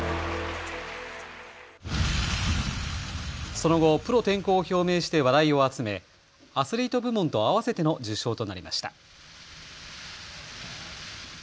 その後、プロ転向を表明して話題を集めアスリート部門と合わせての受賞となりました。